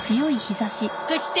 貸して。